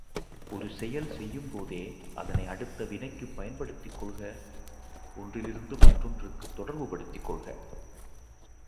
ஒரு செயல் செய்யும்போதே அதனை அடுத்த வினைக்குப் பயன்படுத்திக் கொள்க ஒன்றிலிருந்து மற்றொன்றிற்குத் தொடர்புபடுத்திக் கொள்க.